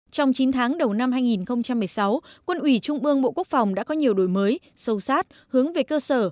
trong chín tháng đầu năm hai nghìn một mươi sáu quân ủy trung ương bộ quốc phòng đã có nhiều đổi mới sâu sát hướng về cơ sở